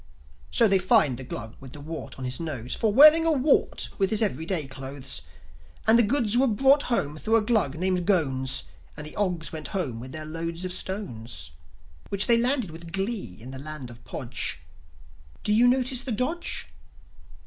So they fined the Glug with the wart on his nose For wearing a wart with his everyday clothes. And the goods were brought home thro' a Glug named Ghones; And the Ogs went home with their loads of stones, Which they landed with glee in the land of Podge. Do you notice the dodge?